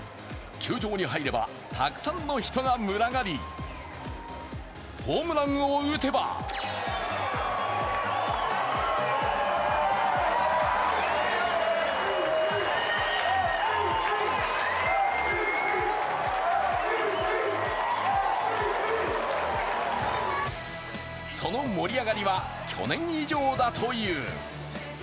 球場に入ればたくさんの人が群がり、ホームランを打てばその盛り上がりは去年以上だという。